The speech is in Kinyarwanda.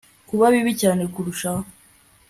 kuba bibi cyane kurushaho